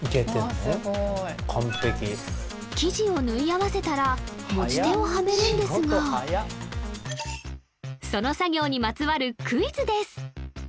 すごい完璧生地を縫い合わせたら持ち手をはめるんですがその作業にまつわるクイズです！